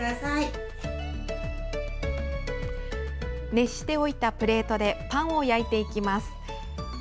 熱しておいたプレートでパンを焼いていきます。